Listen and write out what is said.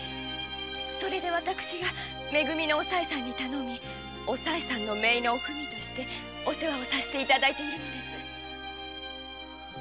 それで私が「め組」のおさいさんに頼みメイのおふみとしてお世話をさせて頂いているのです。